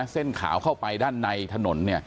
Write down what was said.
เส้นขาวเข้าไปด้านในถนน